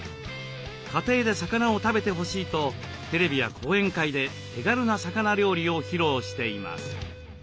家庭で魚を食べてほしいとテレビや講演会で手軽な魚料理を披露しています。